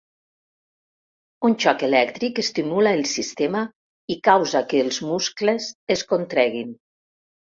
Un xoc elèctric estimula el sistema i causa que els muscles es contreguin.